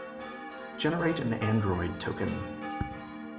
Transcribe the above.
Generate an Android token